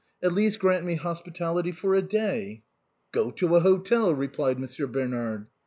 At least grant me hos pitality for a day." " Go to a hotel !" replied Monsieur Bernard.